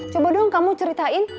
coba dong kamu ceritain